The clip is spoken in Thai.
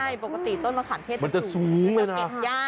ใช่ปกติต้นมะขามเทศจะสูงมันจะเก็บยาก